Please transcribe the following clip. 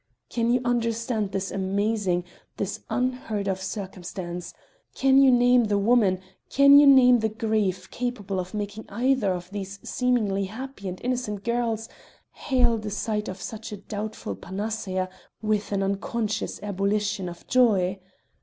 Can you understand this amazing, this unheard of circumstance? Can you name the woman, can you name the grief capable of making either of these seemingly happy and innocent girls hail the sight of such a doubtful panacea with an unconscious ebullition of joy?